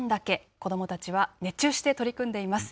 子どもたちは熱中して取り組んでいます。